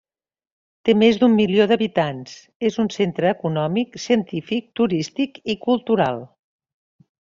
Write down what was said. Té més d'un milió d'habitants; és un centre econòmic, científic, turístic i cultural.